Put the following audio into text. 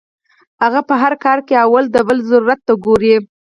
هغه پۀ هر کار کې اول د بل ضرورت ته ګوري -